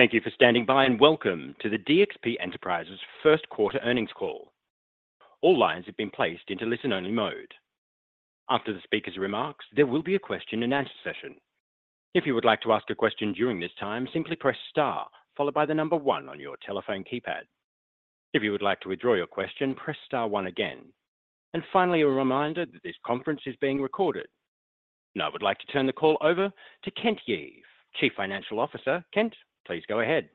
Thank you for standing by, and welcome to the DXP Enterprises first quarter earnings call. All lines have been placed into listen-only mode. After the speaker's remarks, there will be a question-and-answer session. If you would like to ask a question during this time, simply press star, followed by the number one on your telephone keypad. If you would like to withdraw your question, press star one again. And finally, a reminder that this conference is being recorded. Now, I would like to turn the call over to Kent Yee, Chief Financial Officer. Kent, please go ahead.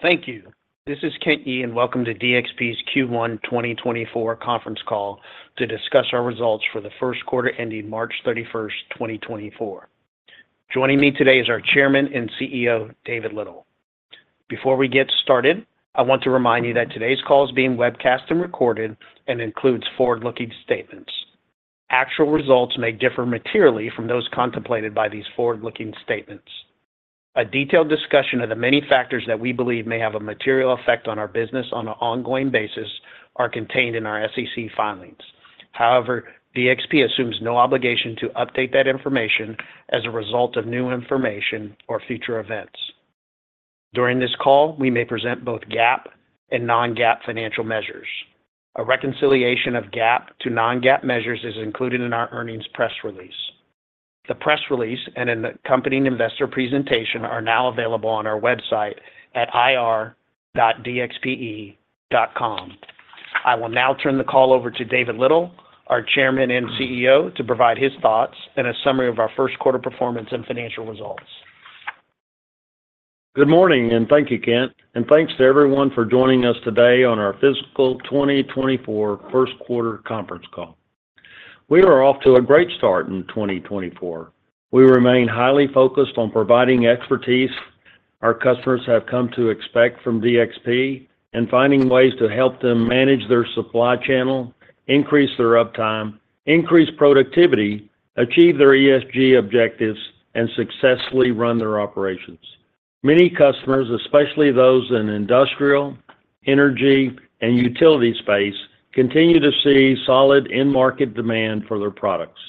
Thank you. This is Kent Yee, and welcome to DXP's Q1 2024 conference call to discuss our results for the first quarter ending March 31, 2024. Joining me today is our Chairman and CEO, David Little. Before we get started, I want to remind you that today's call is being webcast and recorded and includes forward-looking statements. Actual results may differ materially from those contemplated by these forward-looking statements. A detailed discussion of the many factors that we believe may have a material effect on our business on an ongoing basis are contained in our SEC filings. However, DXP assumes no obligation to update that information as a result of new information or future events. During this call, we may present both GAAP and non-GAAP financial measures. A reconciliation of GAAP to non-GAAP measures is included in our earnings press release. The press release and an accompanying investor presentation are now available on our website at ir.dxpe.com. I will now turn the call over to David Little, our Chairman and CEO, to provide his thoughts and a summary of our first quarter performance and financial results. Good morning, and thank you, Kent. Thanks to everyone for joining us today on our fiscal 2024 first quarter conference call. We are off to a great start in 2024. We remain highly focused on providing expertise our customers have come to expect from DXP, and finding ways to help them manage their supply channel, increase their uptime, increase productivity, achieve their ESG objectives, and successfully run their operations. Many customers, especially those in industrial, energy, and utility space, continue to see solid end market demand for their products.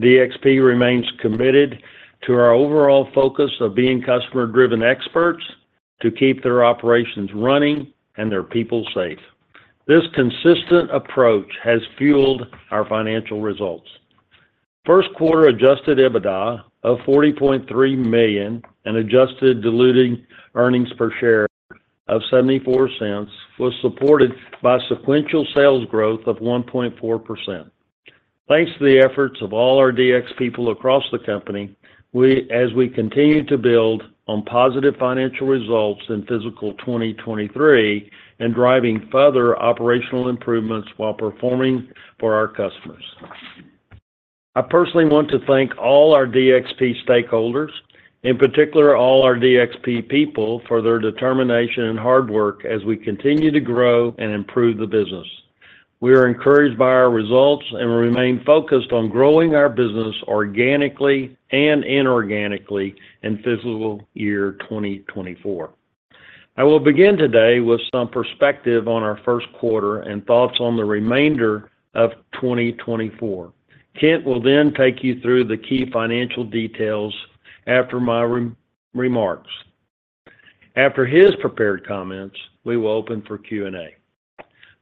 DXP remains committed to our overall focus of being customer-driven experts to keep their operations running and their people safe. This consistent approach has fueled our financial results. First quarter adjusted EBITDA of $40.3 million and adjusted diluted earnings per share of $0.74 was supported by sequential sales growth of 1.4%. Thanks to the efforts of all our DXP people across the company, we, as we continue to build on positive financial results in fiscal 2023 and driving further operational improvements while performing for our customers. I personally want to thank all our DXP stakeholders, in particular, all our DXP people, for their determination and hard work as we continue to grow and improve the business. We are encouraged by our results and remain focused on growing our business organically and inorganically in fiscal year 2024. I will begin today with some perspective on our first quarter and thoughts on the remainder of 2024. Kent will then take you through the key financial details after my remarks. After his prepared comments, we will open for Q&A.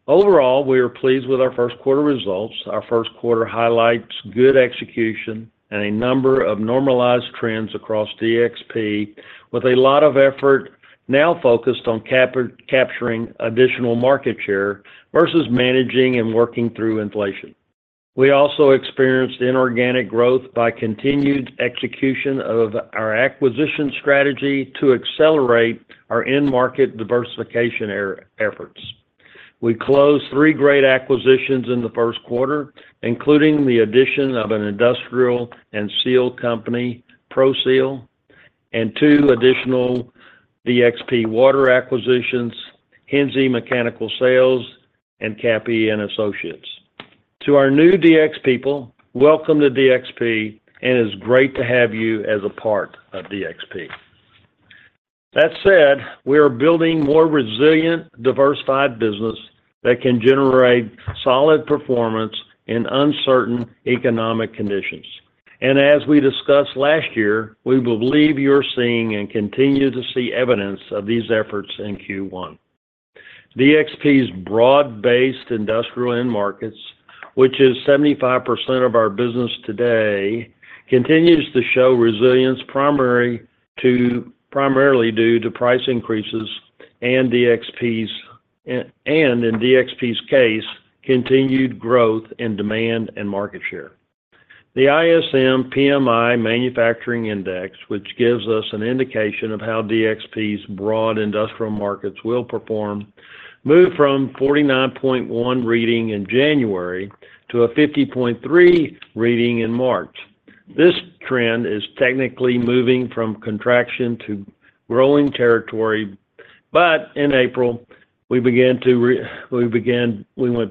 Overall, we are pleased with our first quarter results. Our first quarter highlights good execution and a number of normalized trends across DXP, with a lot of effort now focused on capturing additional market share versus managing and working through inflation. We also experienced inorganic growth by continued execution of our acquisition strategy to accelerate our end market diversification efforts. We closed three great acquisitions in the first quarter, including the addition of an industrial and seal company, Pro-Seal, and two additional DXP water acquisitions, Hennesy Mechanical Sales and Kappe Associates. To our new DXP people, welcome to DXP, and it's great to have you as a part of DXP. That said, we are building more resilient, diversified business that can generate solid performance in uncertain economic conditions. And as we discussed last year, we believe you're seeing and continue to see evidence of these efforts in Q1. DXP's broad-based industrial end markets, which is 75% of our business today, continues to show resilience primarily due to price increases and, in DXP's case, continued growth in demand and market share. The ISM PMI Manufacturing Index, which gives us an indication of how DXP's broad industrial markets will perform, moved from 49.1 reading in January to a 50.3 reading in March. This trend is technically moving from contraction to growing territory, but in April, we went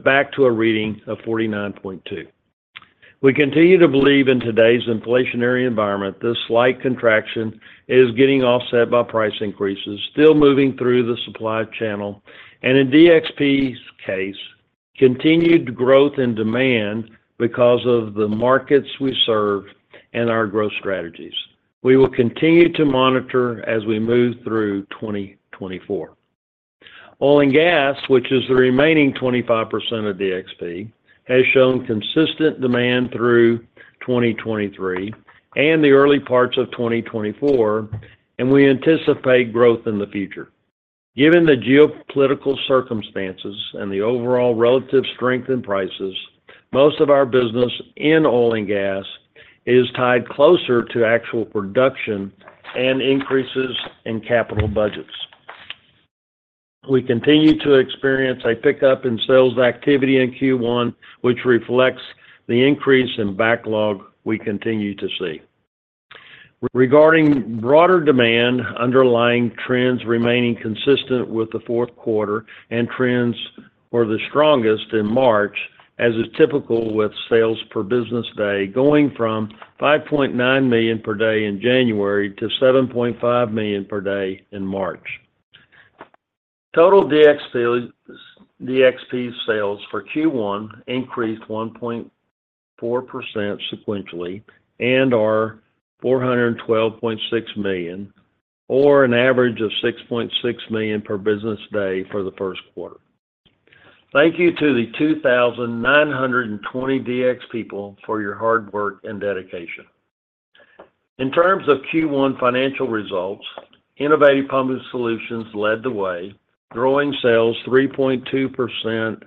back to a reading of 49.2. We continue to believe in today's inflationary environment, this slight contraction is getting offset by price increases, still moving through the supply channel, and, in DXP's case, continued growth and demand because of the markets we serve and our growth strategies. We will continue to monitor as we move through 2024. Oil and gas, which is the remaining 25% of DXP, has shown consistent demand through 2023 and the early parts of 2024, and we anticipate growth in the future. Given the geopolitical circumstances and the overall relative strength in prices, most of our business in oil and gas is tied closer to actual production and increases in capital budgets. We continue to experience a pickup in sales activity in Q1, which reflects the increase in backlog we continue to see. Regarding broader demand, underlying trends remaining consistent with the fourth quarter and trends were the strongest in March, as is typical with sales per business day, going from $5.9 million per day in January to $7.5 million per day in March. Total DXP sales - DXP sales for Q1 increased 1.4% sequentially and are $412.6 million, or an average of $6.6 million per business day for the first quarter. Thank you to the 2,920 DXP people for your hard work and dedication. In terms of Q1 financial results, Innovative Pumping Solutions led the way, growing sales 3.2%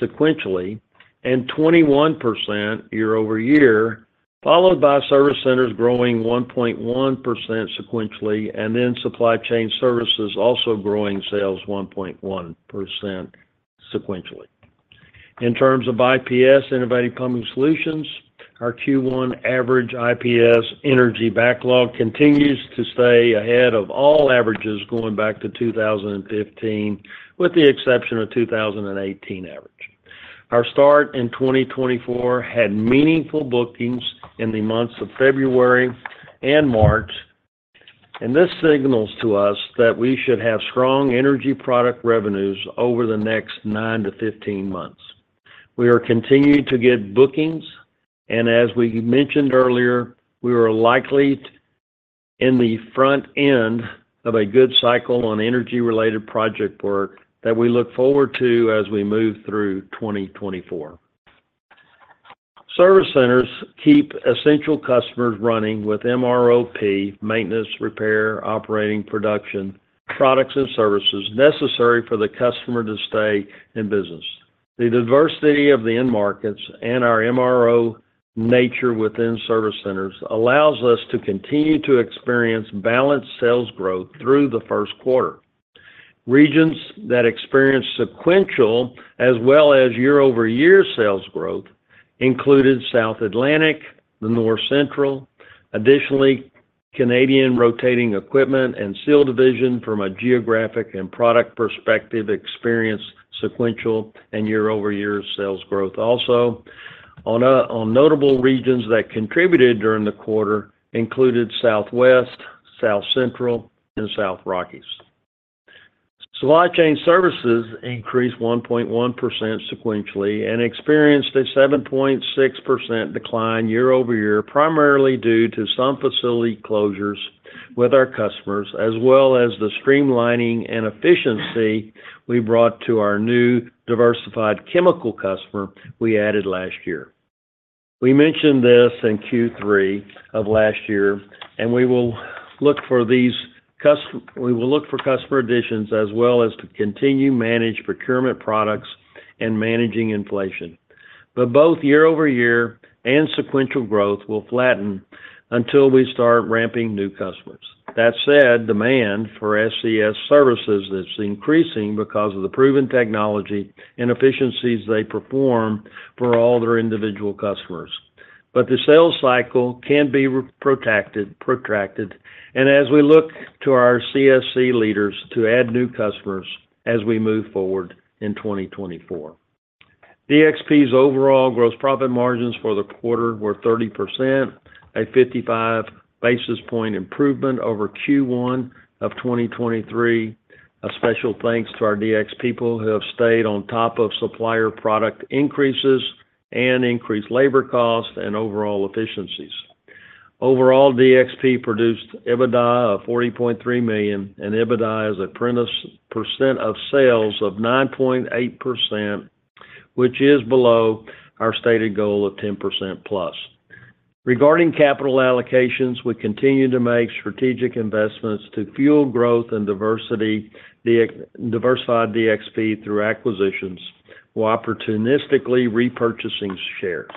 sequentially and 21% year-over-year, followed by Service Centers growing 1.1% sequentially, and then Supply Chain Services also growing sales 1.1% sequentially. In terms of IPS, Innovative Pumping Solutions, our Q1 average IPS energy backlog continues to stay ahead of all averages going back to 2015, with the exception of 2018 average. Our start in 2024 had meaningful bookings in the months of February and March, and this signals to us that we should have strong energy product revenues over the next 9-15 months. We are continuing to get bookings, and as we mentioned earlier, we are likely in the front end of a good cycle on energy-related project work that we look forward to as we move through 2024. Service centers keep essential customers running with MROP, maintenance, repair, operating, production, products, and services necessary for the customer to stay in business. The diversity of the end markets and our MRO nature within service centers allows us to continue to experience balanced sales growth through the first quarter. Regions that experienced sequential, as well as year-over-year sales growth, included South Atlantic, the North Central. Additionally, Canadian Rotating Equipment and Seal Division, from a geographic and product perspective, experienced sequential and year-over-year sales growth also. On notable regions that contributed during the quarter included Southwest, South Central, and South Rockies. Supply Chain Services increased 1.1% sequentially and experienced a 7.6% decline year-over-year, primarily due to some facility closures with our customers, as well as the streamlining and efficiency we brought to our new diversified chemical customer we added last year. We mentioned this in Q3 of last year, and we will look for customer additions as well as to continue manage procurement products and managing inflation. But both year-over-year and sequential growth will flatten until we start ramping new customers. That said, demand for SCS services is increasing because of the proven technology and efficiencies they perform for all their individual customers. But the sales cycle can be re-protracted, protracted, and as we look to our SCS leaders to add new customers as we move forward in 2024. DXP's overall gross profit margins for the quarter were 30%, a 55 basis point improvement over Q1 of 2023. A special thanks to our DXP people who have stayed on top of supplier product increases and increased labor costs and overall efficiencies. Overall, DXP produced EBITDA of $40.3 million, and EBITDA is a percentage of sales of 9.8%, which is below our stated goal of 10% plus. Regarding capital allocations, we continue to make strategic investments to fuel growth and diversify DXP through acquisitions, while opportunistically repurchasing shares.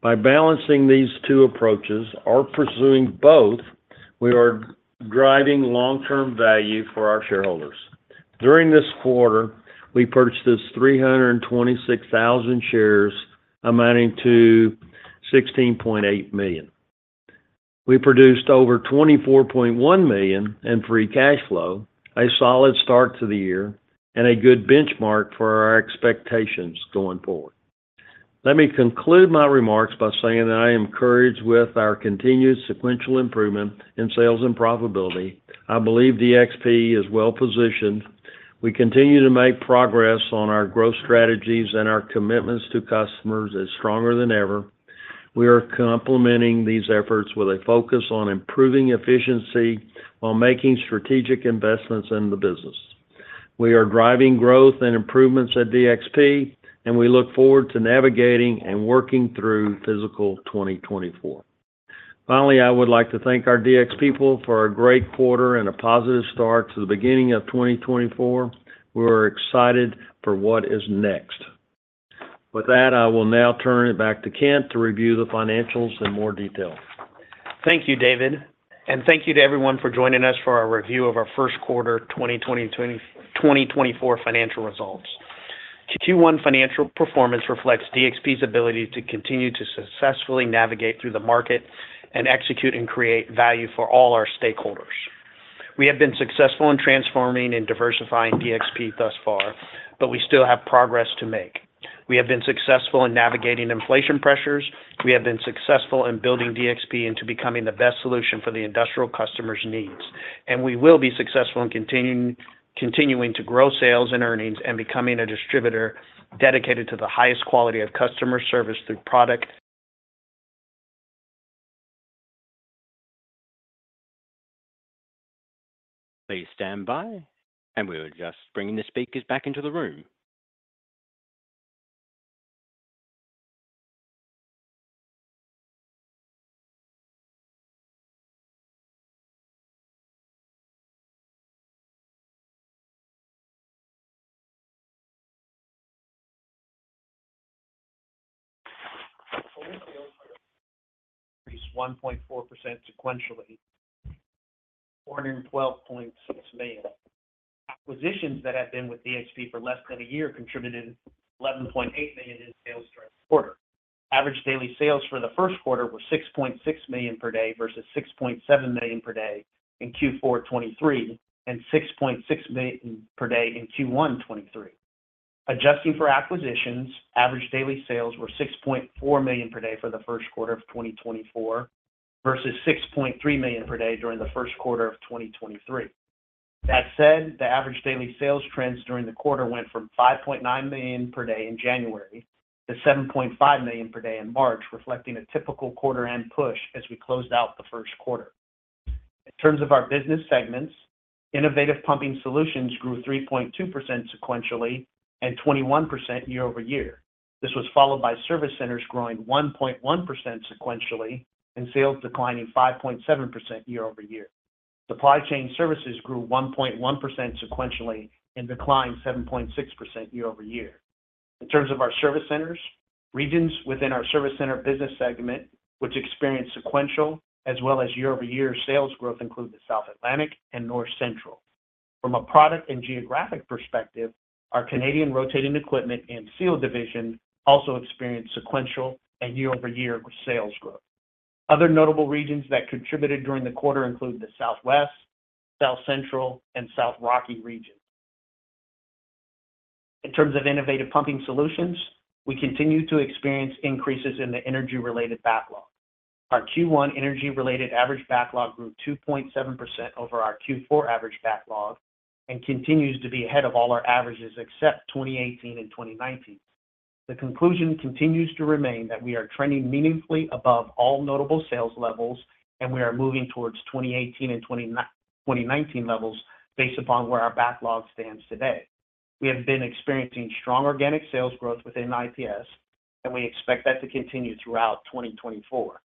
By balancing these two approaches or pursuing both, we are driving long-term value for our shareholders. During this quarter, we purchased 326,000 shares, amounting to $16.8 million. We produced over $24.1 million in free cash flow, a solid start to the year and a good benchmark for our expectations going forward.... Let me conclude my remarks by saying that I am encouraged with our continued sequential improvement in sales and profitability. I believe DXP is well-positioned. We continue to make progress on our growth strategies, and our commitments to customers is stronger than ever. We are complementing these efforts with a focus on improving efficiency while making strategic investments in the business. We are driving growth and improvements at DXP, and we look forward to navigating and working through fiscal 2024. Finally, I would like to thank our DXP people for a great quarter and a positive start to the beginning of 2024. We are excited for what is next. With that, I will now turn it back to Kent to review the financials in more detail. Thank you, David, and thank you to everyone for joining us for our review of our first quarter 2024 financial results. Q1 financial performance reflects DXP's ability to continue to successfully navigate through the market and execute and create value for all our stakeholders. We have been successful in transforming and diversifying DXP thus far, but we still have progress to make. We have been successful in navigating inflation pressures. We have been successful in building DXP into becoming the best solution for the industrial customers' needs, and we will be successful in continuing to grow sales and earnings and becoming a distributor dedicated to the highest quality of customer service through product. Please stand by, and we'll just bring the speakers back into the room. Increased 1.4% sequentially, $412.6 million. Acquisitions that have been with DXP for less than a year contributed $11.8 million in sales during the quarter. Average daily sales for the first quarter were $6.6 million per day versus $6.7 million per day in Q4 2023, and $6.6 million per day in Q1 2023. Adjusting for acquisitions, average daily sales were $6.4 million per day for the first quarter of 2024 versus $6.3 million per day during the first quarter of 2023. That said, the average daily sales trends during the quarter went from $5.9 million per day in January to $7.5 million per day in March, reflecting a typical quarter end push as we closed out the first quarter. In terms of our business segments, Innovative Pumping Solutions grew 3.2% sequentially and 21% year-over-year. This was followed by Service Centers growing 1.1% sequentially and sales declining 5.7% year-over-year. Supply Chain Services grew 1.1% sequentially and declined 7.6% year-over-year. In terms of our Service Centers, regions within our Service Center business segment, which experienced sequential as well as year-over-year sales growth, include the South Atlantic and North Central. From a product and geographic perspective, our Canadian Rotating Equipment and Seal Division also experienced sequential and year-over-year sales growth. Other notable regions that contributed during the quarter include the Southwest, South Central, and South Rockies region. In terms of Innovative Pumping Solutions, we continue to experience increases in the energy-related backlog. Our Q1 energy-related average backlog grew 2.7% over our Q4 average backlog and continues to be ahead of all our averages except 2018 and 2019. The conclusion continues to remain that we are trending meaningfully above all notable sales levels, and we are moving towards 2018 and 2019 levels based upon where our backlog stands today. We have been experiencing strong organic sales growth within IPS, and we expect that to continue throughout 2024.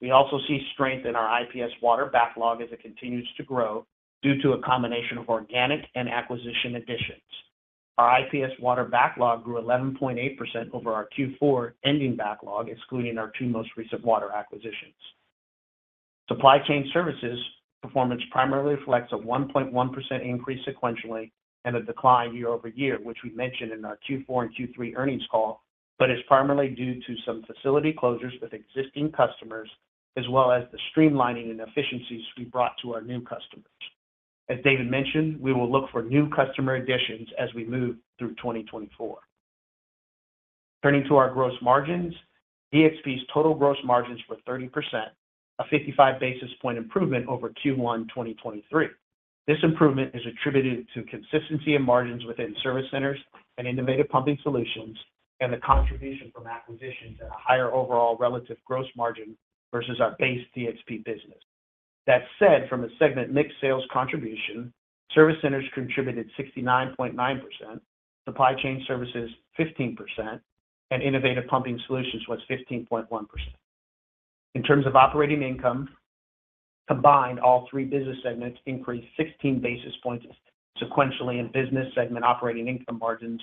We also see strength in our IPS water backlog as it continues to grow due to a combination of organic and acquisition additions. Our IPS water backlog grew 11.8% over our Q4 ending backlog, excluding our two most recent water acquisitions. Supply Chain Services performance primarily reflects a 1.1% increase sequentially and a decline year-over-year, which we mentioned in our Q4 and Q3 earnings call, but is primarily due to some facility closures with existing customers, as well as the streamlining and efficiencies we brought to our new customers. As David mentioned, we will look for new customer additions as we move through 2024. Turning to our gross margins, DXP's total gross margins were 30%, a 55 basis point improvement over Q1 2023. This improvement is attributed to consistency in margins within Service Centers and Innovative Pumping Solutions, and the contribution from acquisitions at a higher overall relative gross margin versus our base DXP business. That said, from a segment mix sales contribution, Service Centers contributed 69.9%, Supply Chain Services 15%, and Innovative Pumping Solutions was 15.1%. In terms of operating income, combined, all three business segments increased 16 basis points sequentially, and business segment operating income margins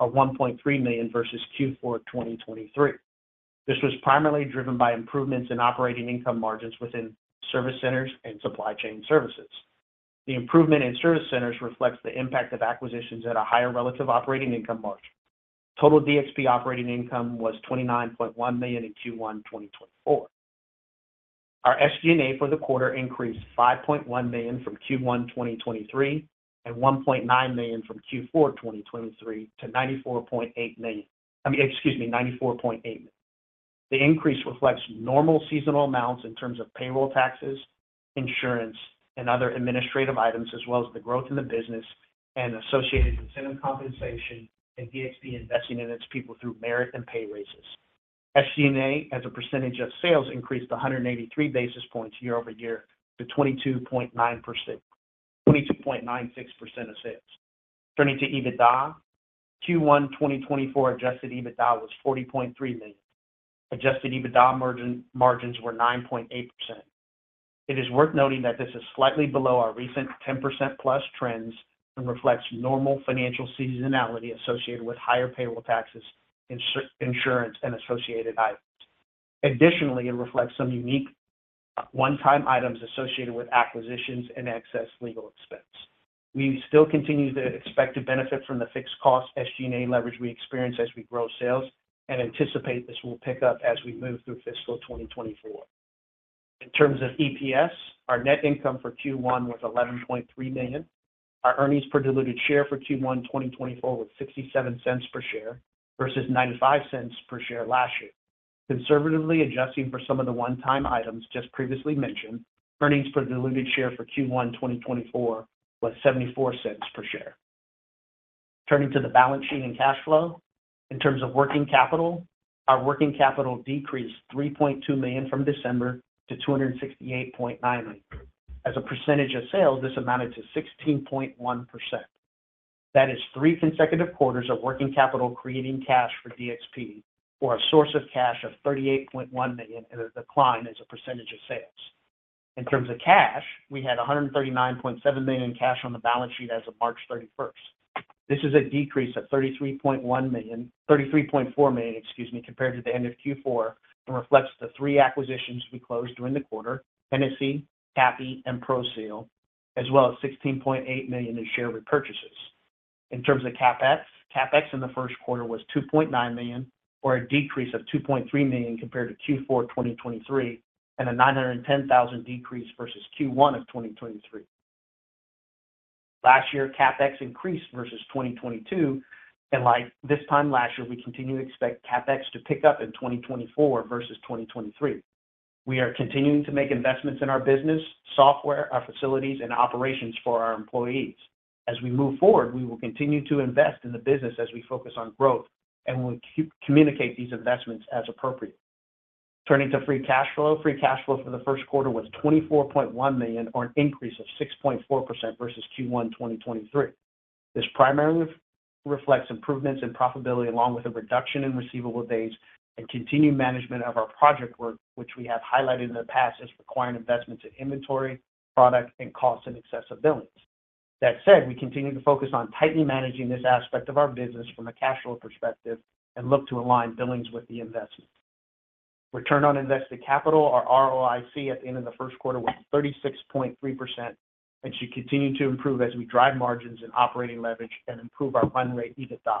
are $1.3 million versus Q4 2023. This was primarily driven by improvements in operating income margins within Service Centers and Supply Chain Services. The improvement in Service Centers reflects the impact of acquisitions at a higher relative operating income margin. Total DXP operating income was $29.1 million in Q1 2024. Our SG&A for the quarter increased $5.1 million from Q1 2023, and $1.9 million from Q4 2023, to $94.8 million. I mean, excuse me, $94.8 million. The increase reflects normal seasonal amounts in terms of payroll taxes, insurance, and other administrative items, as well as the growth in the business and associated incentive compensation, and DXP investing in its people through merit and pay raises. SG&A, as a percentage of sales, increased to 183 basis points year-over-year to 22.9%-22.96% of sales. Turning to EBITDA. Q1 2024 adjusted EBITDA was $40.3 million. Adjusted EBITDA margin, margins were 9.8%. It is worth noting that this is slightly below our recent 10%+ trends and reflects normal financial seasonality associated with higher payroll taxes, insurance, and associated items. Additionally, it reflects some unique one-time items associated with acquisitions and excess legal expense. We still continue to expect to benefit from the fixed cost SG&A leverage we experience as we grow sales, and anticipate this will pick up as we move through fiscal 2024. In terms of EPS, our net income for Q1 was $11.3 million. Our earnings per diluted share for Q1 2024 was $0.67 per share versus $0.95 per share last year. Conservatively adjusting for some of the one-time items just previously mentioned, earnings per diluted share for Q1 2024 was $0.74 per share. Turning to the balance sheet and cash flow. In terms of working capital, our working capital decreased $3.2 million from December to $268.9 million. As a percentage of sales, this amounted to 16.1%. That is 3 consecutive quarters of working capital, creating cash for DXP, or a source of cash of $38.1 million, and a decline as a percentage of sales. In terms of cash, we had $139.7 million in cash on the balance sheet as of March 31. This is a decrease of $33.1 million, $33.4 million, excuse me, compared to the end of Q4, and reflects the 3 acquisitions we closed during the quarter: Hennesy, Kappe, and Pro-Seal, as well as $16.8 million in share repurchases. In terms of CapEx, CapEx in the first quarter was $2.9 million, or a decrease of $2.3 million compared to Q4 2023, and a $910,000 decrease versus Q1 of 2023. Last year, CapEx increased versus 2022, and like this time last year, we continue to expect CapEx to pick up in 2024 versus 2023. We are continuing to make investments in our business, software, our facilities, and operations for our employees. As we move forward, we will continue to invest in the business as we focus on growth, and we'll keep communicate these investments as appropriate. Turning to free cash flow. Free cash flow for the first quarter was $24.1 million, or an increase of 6.4% versus Q1 2023. This primarily reflects improvements in profitability, along with a reduction in receivable days and continued management of our project work, which we have highlighted in the past as requiring investment to inventory, product, and cost, and excessive billings. That said, we continue to focus on tightly managing this aspect of our business from a cash flow perspective and look to align billings with the investment. Return on invested capital, or ROIC, at the end of the first quarter was 36.3%, and should continue to improve as we drive margins and operating leverage and improve our run rate EBITDA.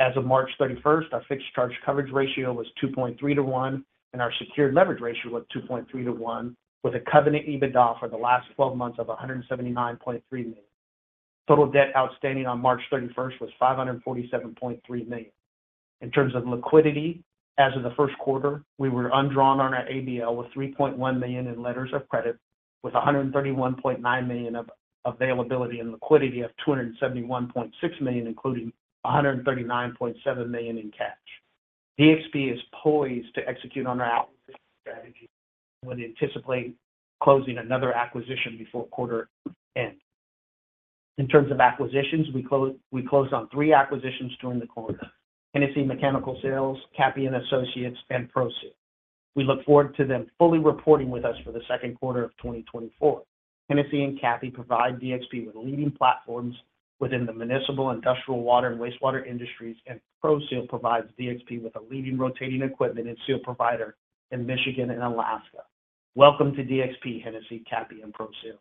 As of March 31, our fixed charge coverage ratio was 2.3 to 1, and our secured leverage ratio was 2.3 to 1, with a covenant EBITDA for the last twelve months of $179.3 million. Total debt outstanding on March 31 was $547.3 million. In terms of liquidity, as of the first quarter, we were undrawn on our ABL with $3.1 million in letters of credit, with $131.9 million of availability and liquidity of $271.6 million, including $139.7 million in cash. DXP is poised to execute on our strategy, and we anticipate closing another acquisition before quarter end. In terms of acquisitions, we closed on three acquisitions during the quarter: Hennesy Mechanical Sales, Kappe and Associates, and Pro-Seal. We look forward to them fully reporting with us for the second quarter of 2024. Hennesy and Kappe provide DXP with leading platforms within the municipal, industrial water, and wastewater industries, and Pro-Seal provides DXP with a leading rotating equipment and seal provider in Michigan and Alaska. Welcome to DXP, Hennesy, Kappe, and Pro-Seal.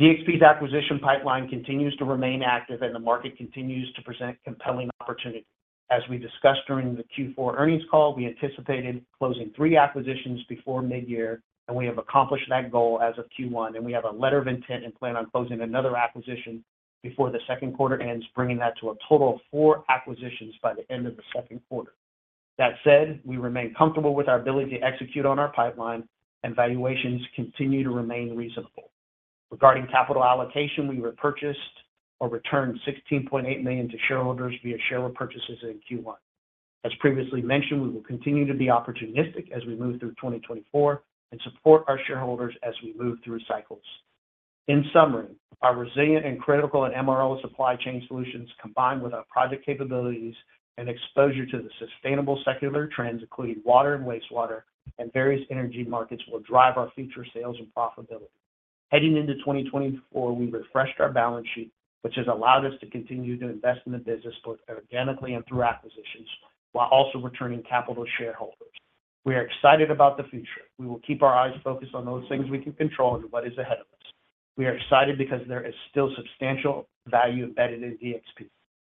DXP's acquisition pipeline continues to remain active, and the market continues to present compelling opportunities. As we discussed during the Q4 earnings call, we anticipated closing three acquisitions before midyear, and we have accomplished that goal as of Q1, and we have a letter of intent and plan on closing another acquisition before the second quarter ends, bringing that to a total of four acquisitions by the end of the second quarter. That said, we remain comfortable with our ability to execute on our pipeline, and valuations continue to remain reasonable. Regarding capital allocation, we repurchased or returned $16.8 million to shareholders via share repurchases in Q1. As previously mentioned, we will continue to be opportunistic as we move through 2024 and support our shareholders as we move through cycles. In summary, our resilient and critical MRO supply chain solutions, combined with our project capabilities and exposure to the sustainable secular trends, including water and wastewater and various energy markets, will drive our future sales and profitability. Heading into 2024, we refreshed our balance sheet, which has allowed us to continue to invest in the business, both organically and through acquisitions, while also returning capital to shareholders. We are excited about the future. We will keep our eyes focused on those things we can control and what is ahead of us. We are excited because there is still substantial value embedded in DXP.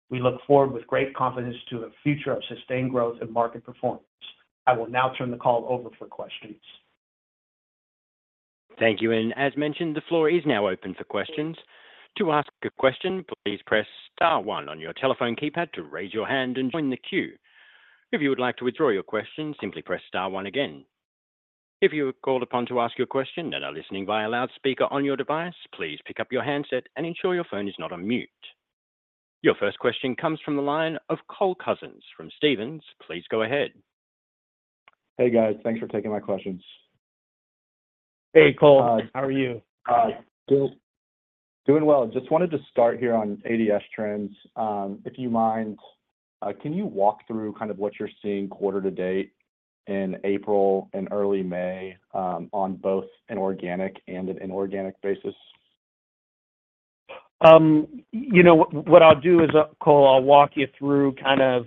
We look forward with great confidence to a future of sustained growth and market performance. I will now turn the call over for questions. Thank you, and as mentioned, the floor is now open for questions. To ask a question, please press star one on your telephone keypad to raise your hand and join the queue. If you would like to withdraw your question, simply press star one again. If you are called upon to ask your question and are listening via loudspeaker on your device, please pick up your handset and ensure your phone is not on mute. Your first question comes from the line of Cole Cousins from Stephens. Please go ahead. Hey, guys. Thanks for taking my questions. Hey, Cole. How are you? Good. Doing well. Just wanted to start here on ADS trends. If you mind, can you walk through kind of what you're seeing quarter to date in April and early May, on both an organic and an inorganic basis? You know, what I'll do is, Cole, I'll walk you through kind of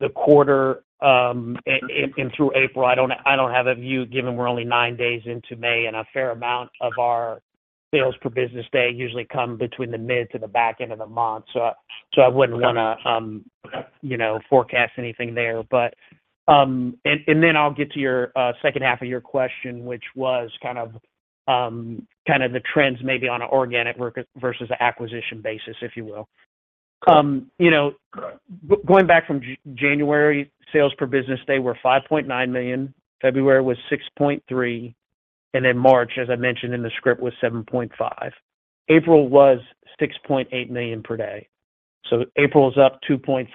the quarter and through April. I don't have a view, given we're only 9 days into May, and a fair amount of our sales per business day usually come between the mid to the back end of the month. So I wouldn't- Right... wanna, you know, forecast anything there. But and then I'll get to your second half of your question, which was kind of the trends maybe on an organic growth versus acquisition basis, if you will. Sure. You know, going back from January, sales per business day were $5.9 million, February was $6.3 million, and then March, as I mentioned in the script, was $7.5 million. April was $6.8 million per day. So April is up 2.7%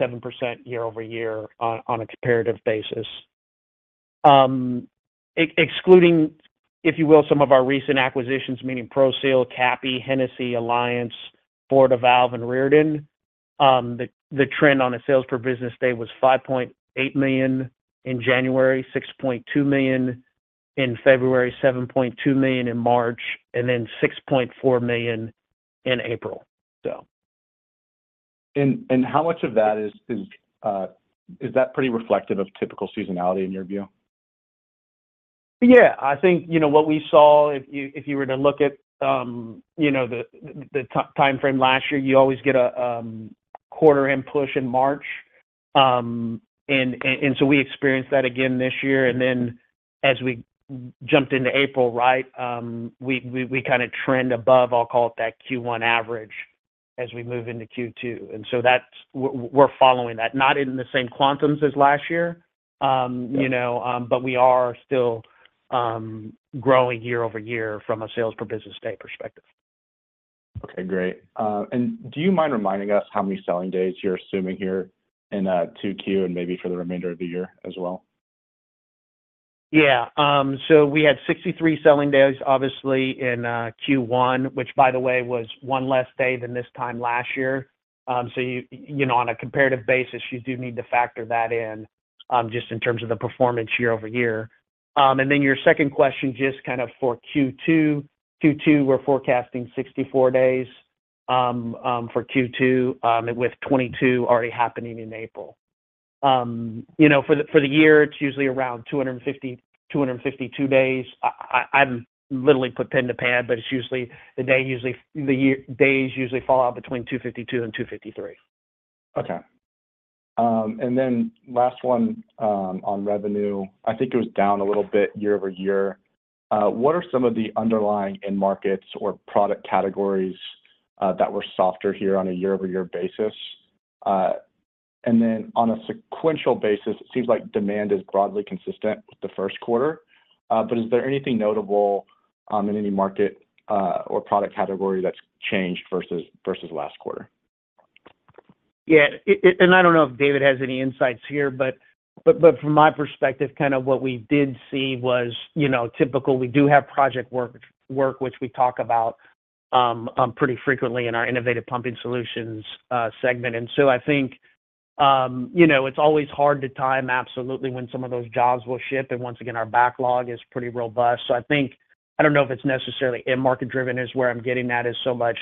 year-over-year on a comparative basis. Excluding, if you will, some of our recent acquisitions, meaning Pro-Seal, Kappe, Hennesy, Alliance, Florida Valve, and Riordan, the trend on a sales per business day was $5.8 million in January, $6.2 million in February, $7.2 million in March, and then $6.4 million in April, so. Is that pretty reflective of typical seasonality in your view? Yeah, I think, you know, what we saw, if you, if you were to look at, you know, the time frame last year, you always get a quarter-end push in March. And so we experienced that again this year, and then as we jumped into April, right, we kind of trend above, I'll call it, that Q1 average as we move into Q2. And so that's. We're following that, not in the same quantums as last year, you know, but we are still growing year-over-year from a sales per business day perspective. Okay, great. Do you mind reminding us how many selling days you're assuming here in 2Q and maybe for the remainder of the year as well? Yeah, so we had 63 selling days, obviously, in Q1, which, by the way, was one less day than this time last year. So you know, on a comparative basis, you do need to factor that in, just in terms of the performance year-over-year. And then your second question, just kind of for Q2, we're forecasting 64 days for Q2, with 22 already happening in April. You know, for the year, it's usually around 250, 252 days. I've literally put pen to pad, but it's usually days usually fall out between 252 and 253. Okay. And then last one, on revenue. I think it was down a little bit year-over-year. What are some of the underlying end markets or product categories that were softer here on a year-over-year basis? And then on a sequential basis, it seems like demand is broadly consistent with the first quarter. But is there anything notable in any market or product category that's changed versus last quarter? Yeah, it. And I don't know if David has any insights here, but from my perspective, kind of what we did see was, you know, typical, we do have project work which we talk about pretty frequently in our Innovative Pumping Solutions segment. And so I think, you know, it's always hard to time absolutely when some of those jobs will ship. And once again, our backlog is pretty robust. So I think, I don't know if it's necessarily end market driven is where I'm getting at, is so much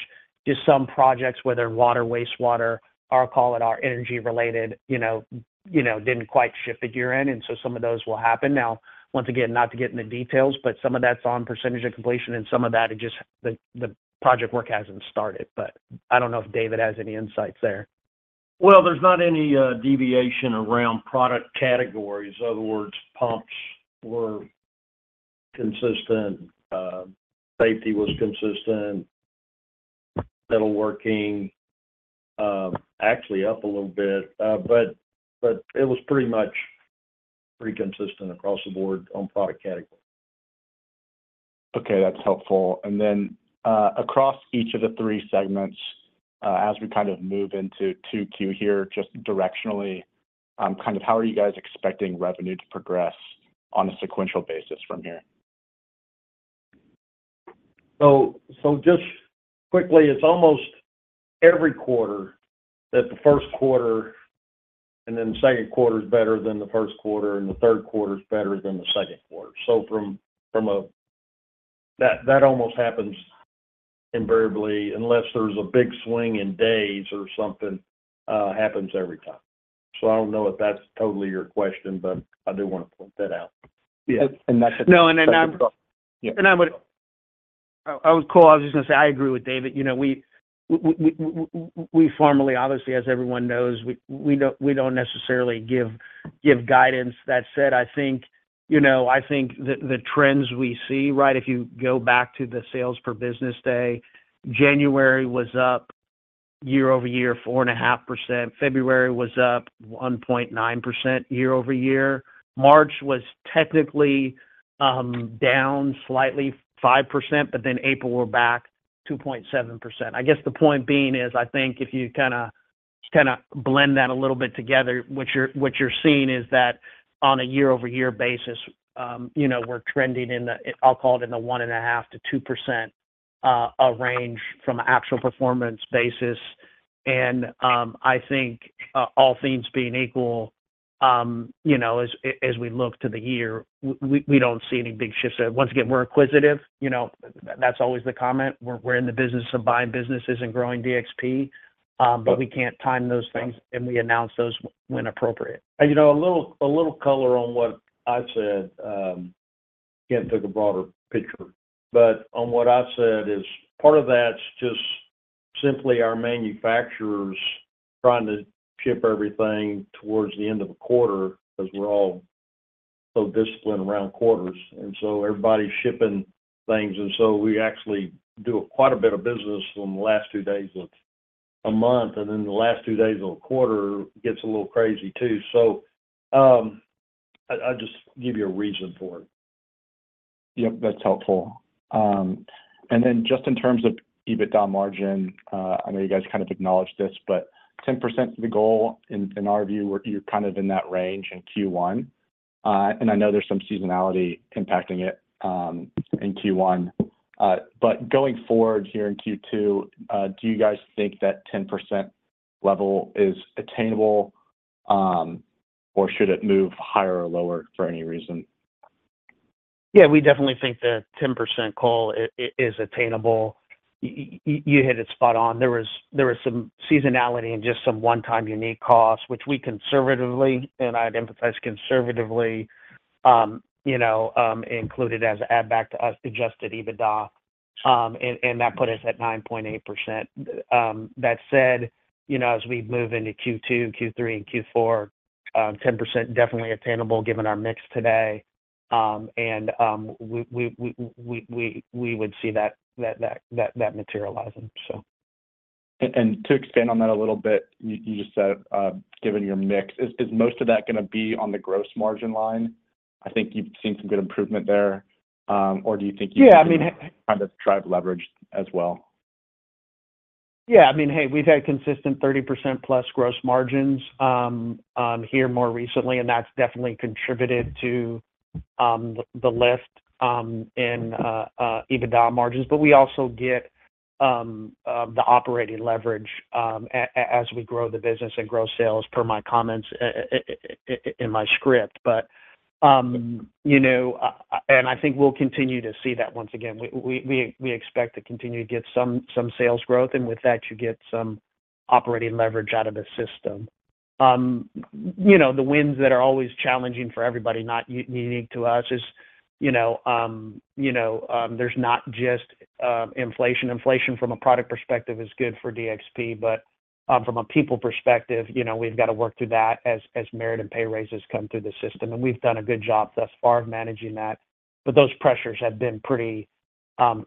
just some projects, whether water, wastewater, I'll call it our energy-related, you know, didn't quite shift the gear in, and so some of those will happen. Now, once again, not to get into details, but some of that's on percentage of completion, and some of that is just the project work hasn't started. But I don't know if David has any insights there. Well, there's not any deviation around product categories. In other words, pumps were consistent, safety was consistent, metalworking actually up a little bit, but it was pretty much pretty consistent across the board on product category. Okay, that's helpful. And then, across each of the three segments, as we kind of move into 2Q here, just directionally, kind of how are you guys expecting revenue to progress on a sequential basis from here? So just quickly, it's almost every quarter that the first quarter, and then the second quarter is better than the first quarter, and the third quarter is better than the second quarter. So from a... That almost happens invariably, unless there's a big swing in days or something, happens every time. So I don't know if that's totally your question, but I do wanna point that out. Yeah, and that's- No, and I'm- Yeah. And I would call, I was just gonna say I agree with David. You know, we formally, obviously, as everyone knows, we don't necessarily give guidance. That said, I think, you know, I think the trends we see, right? If you go back to the sales per business day, January was up year-over-year, 4.5%. February was up 1.9% year-over-year. March was technically down slightly, 5%, but then April, we're back 2.7%. I guess the point being is, I think if you kinda blend that a little bit together, what you're seeing is that on a year-over-year basis, you know, we're trending in the... I'll call it in the 1.5%-2% range from an actual performance basis. I think, all things being equal, you know, as we look to the year, we don't see any big shifts there. Once again, we're acquisitive, you know, that's always the comment. We're in the business of buying businesses and growing DXP, but we can't time those things, and we announce those when appropriate. You know, a little color on what I said, again, took a broader picture. But on what I said is part of that's just simply our manufacturers trying to ship everything towards the end of a quarter, 'cause we're all so disciplined around quarters, and so everybody's shipping things. We actually do quite a bit of business in the last two days of a month, and then the last two days of a quarter gets a little crazy too. I'll just give you a reason for it. Yep, that's helpful. And then just in terms of EBITDA margin, I know you guys kind of acknowledged this, but 10% is the goal in, in our view, we're kind of in that range in Q1. And I know there's some seasonality impacting it, in Q1. But going forward here in Q2, do you guys think that 10% level is attainable, or should it move higher or lower for any reason? Yeah, we definitely think the 10% call is attainable. You hit it spot on. There was some seasonality and just some one-time unique costs, which we conservatively, and I'd emphasize conservatively, you know, included as add back to our adjusted EBITDA, and that put us at 9.8%. That said, you know, as we move into Q2, Q3, and Q4, 10% definitely attainable given our mix today. And we would see that materializing, so. To expand on that a little bit, you just said, given your mix, is most of that gonna be on the gross margin line? I think you've seen some good improvement there. Or do you think you- Yeah, I mean- Kind of drive leverage as well. Yeah, I mean, hey, we've had consistent 30%+ gross margins here more recently, and that's definitely contributed to the lift in EBITDA margins. But we also get the operating leverage as we grow the business and grow sales, per my comments in my script. But, you know, and I think we'll continue to see that once again. We expect to continue to get some sales growth, and with that, you get some operating leverage out of the system. You know, the winds that are always challenging for everybody, not unique to us, is, you know, there's not just inflation. Inflation from a product perspective is good for DXP, but from a people perspective, you know, we've got to work through that as merit and pay raises come through the system. We've done a good job thus far of managing that, but those pressures have been pretty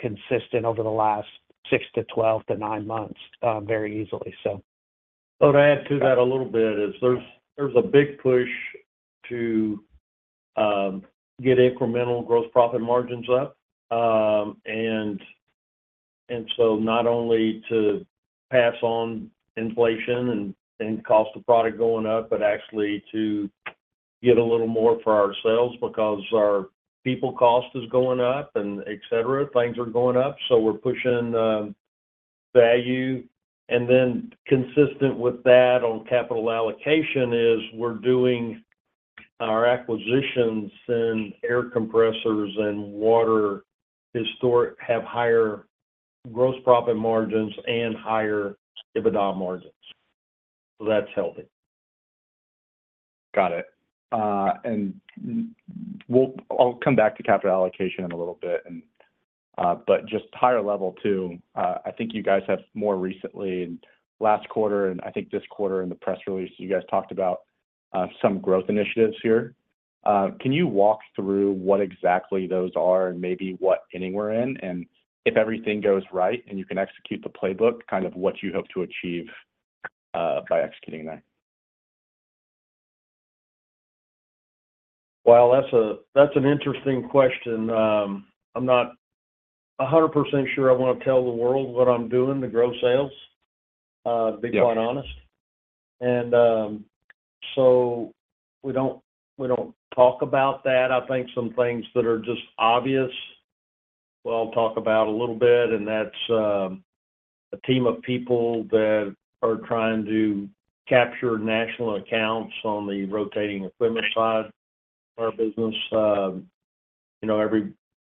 consistent over the last 6 to 12 to 9 months, very easily, so. So to add to that a little bit is there's a big push to get incremental gross profit margins up. And so not only to pass on inflation and cost of product going up, but actually to get a little more for ourselves because our people cost is going up and etc. Things are going up, so we're pushing value. And then consistent with that on capital allocation is we're doing our acquisitions in air compressors and water historically have higher gross profit margins and higher EBITDA margins. So that's healthy. Got it. I'll come back to capital allocation in a little bit and, but just higher level, too. I think you guys have more recently, last quarter, and I think this quarter in the press release, you guys talked about some growth initiatives here. Can you walk through what exactly those are and maybe what inning we're in? And if everything goes right and you can execute the playbook, kind of what you hope to achieve by executing that. Well, that's an interesting question. I'm not 100% sure I wanna tell the world what I'm doing to grow sales, to be quite honest. Yeah. So we don't, we don't talk about that. I think some things that are just obvious, we'll talk about a little bit, and that's a team of people that are trying to capture national accounts on the rotating equipment side of our business. You know, every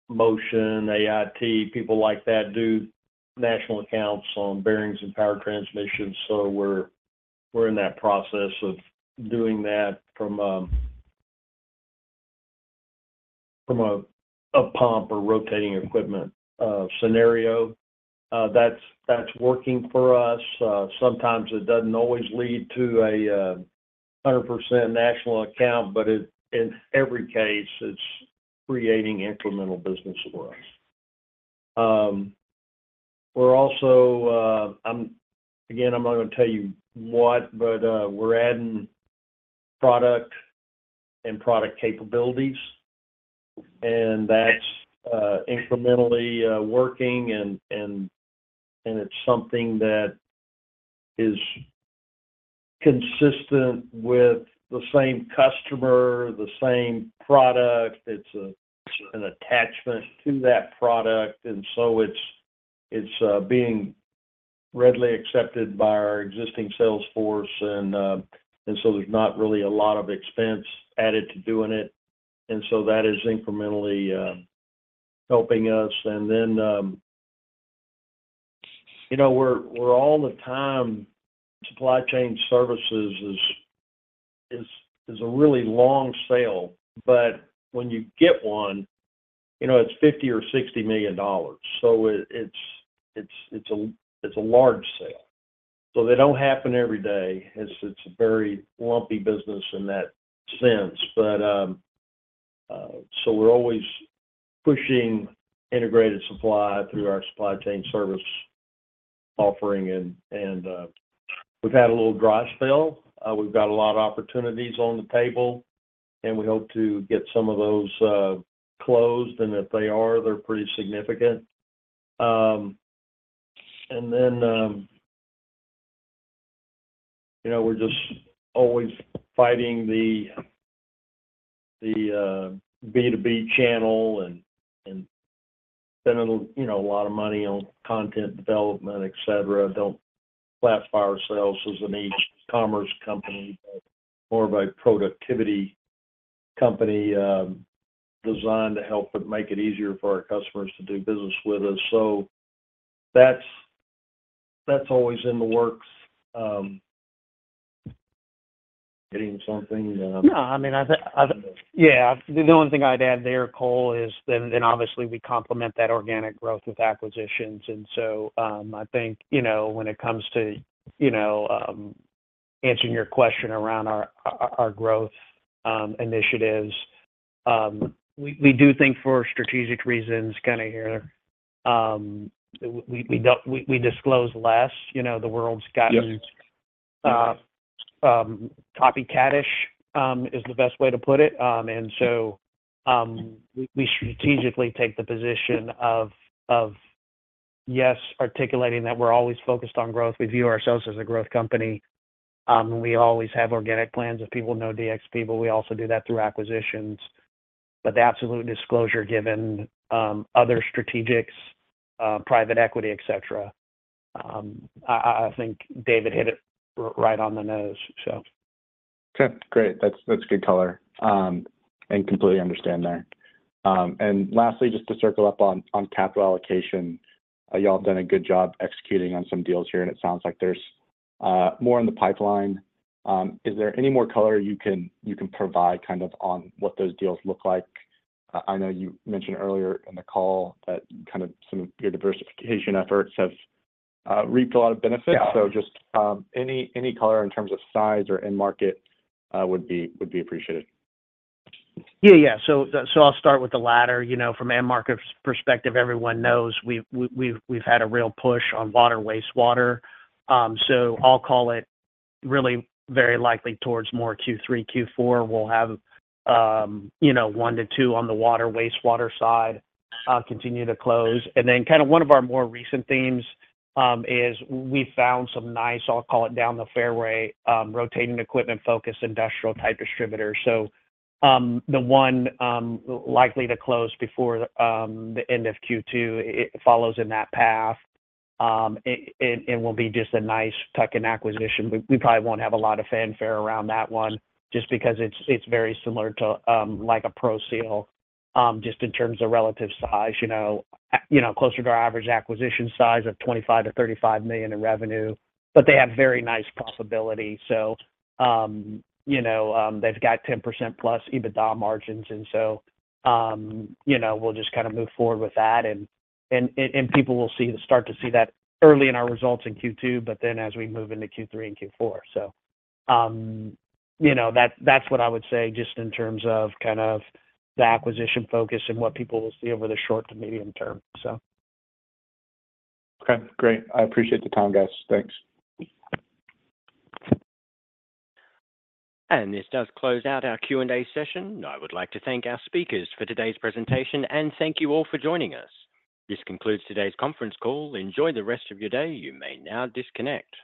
Motion, AIT, people like that do national accounts on bearings and power transmission. So we're, we're in that process of doing that from, from a, a pump or rotating equipment scenario. That's, that's working for us. Sometimes it doesn't always lead to a 100% national account, but it, in every case, it's creating incremental business for us. We're also, again, I'm not gonna tell you what, but, we're adding product and product capabilities, and that's incrementally working and it's something that is consistent with the same customer, the same product. It's an attachment to that product, and so it's being readily accepted by our existing sales force and so there's not really a lot of expense added to doing it, and so that is incrementally helping us. And then, you know, we're all the time, supply chain services is a really long sale, but when you get one, you know, it's $50 million or $60 million. So it's a large sale. So they don't happen every day. It's a very lumpy business in that sense. But, so we're always pushing integrated supply through our supply chain service offering, and we've had a little dry spell. We've got a lot of opportunities on the table, and we hope to get some of those closed, and if they are, they're pretty significant. And then, you know, we're just always fighting the B2B channel and spending, you know, a lot of money on content development, et cetera. Don't classify ourselves as an e-commerce company, but more of a productivity company, designed to help, but make it easier for our customers to do business with us. So that's, that's always in the works. Getting something, No, I mean, yeah, the only thing I'd add there, Cole, is then obviously we complement that organic growth with acquisitions. And so, I think, you know, when it comes to, you know, answering your question around our growth initiatives, we do think for strategic reasons, kinda here, we don't disclose less. You know, the world's gotten- Yeah ... copycatish is the best way to put it. And so, we strategically take the position of yes, articulating that we're always focused on growth. We view ourselves as a growth company. We always have organic plans, if people know DXP, but we also do that through acquisitions. But the absolute disclosure given, other strategics, private equity, et cetera, I think David hit it right on the nose, so. Okay, great. That's, that's good color. And completely understand that. And lastly, just to circle up on capital allocation, you all have done a good job executing on some deals here, and it sounds like there's more in the pipeline. Is there any more color you can provide kind of on what those deals look like? I know you mentioned earlier in the call that kind of some of your diversification efforts have reaped a lot of benefits. Yeah. So just any, any color in terms of size or end market would be, would be appreciated? Yeah, yeah. So, so I'll start with the latter. You know, from end market perspective, everyone knows we've had a real push on water, wastewater. So I'll call it really very likely towards more Q3, Q4. We'll have, you know, 1-2 on the water, wastewater side, continue to close. And then kind of one of our more recent themes is we found some nice, I'll call it down the fairway, rotating equipment-focused industrial type distributors. So, the one, likely to close before, the end of Q2, it follows in that path. It will be just a nice tuck-in acquisition. We, we probably won't have a lot of fanfare around that one just because it's, it's very similar to, like a Pro-Seal, just in terms of relative size, you know, you know, closer to our average acquisition size of $25-$35 million in revenue, but they have very nice profitability. So, you know, they've got 10%+ EBITDA margins, and so, you know, we'll just kind of move forward with that. And people will see, start to see that early in our results in Q2, but then as we move into Q3 and Q4. So, you know, that's, that's what I would say, just in terms of kind of the acquisition focus and what people will see over the short to medium term, so. Okay, great. I appreciate the time, guys. Thanks. This does close out our Q&A session. I would like to thank our speakers for today's presentation, and thank you all for joining us. This concludes today's conference call. Enjoy the rest of your day. You may now disconnect.